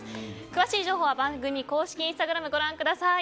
詳しい情報は番組公式インスタグラムをご覧ください。